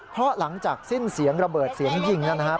เพราะหลังจากสิ้นเสียงระเบิดเสียงยิงนะครับ